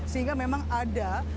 sehingga memang ada